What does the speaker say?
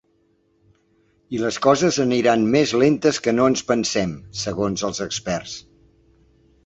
I les coses aniran més lentes que no ens pensem, segons els experts.